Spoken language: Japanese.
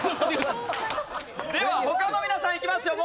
では他の皆さんいきますよ。